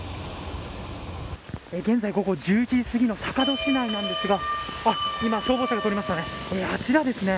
現在、午後１１時すぎの坂戸市内なんですが今、消防車が通りましたね。